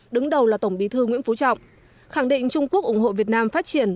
đứng đầu là tổng bí thư nguyễn phú trọng khẳng định trung quốc ủng hộ việt nam phát triển